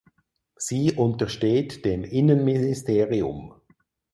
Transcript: Sie untersteht dem Innenministerium.